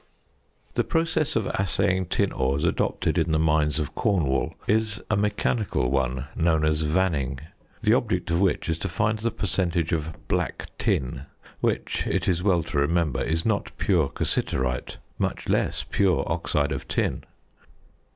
The process of assaying tin ores adopted in the mines of Cornwall is a mechanical one known as "vanning," the object of which is to find the percentage of "black tin," which, it is well to remember, is not pure cassiterite, much less pure oxide of tin.